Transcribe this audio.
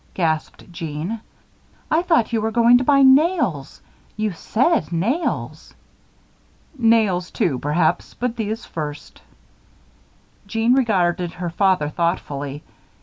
gasped Jeanne. "I thought you were going to buy nails. You said nails." "Nails, too, perhaps; but first these." Jeanne regarded her father thoughtfully.